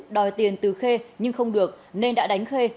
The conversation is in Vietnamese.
đòi tiền từ khê nhưng không được nên đã đánh khê